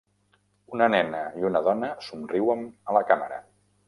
una nena i una dona somriuen a la càmera.